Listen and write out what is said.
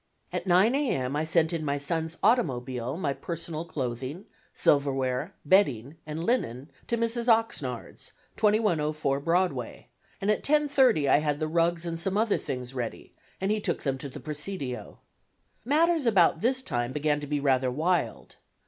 At 9 A. M. I sent in my son's automobile my personal clothing, silverware, bedding, and linen to Mrs. Oxnard's, 2104 Broadway, and at 10:30 I had the rugs and some other things ready, and he took them to the Presidio. Matters about this time began to be rather wild.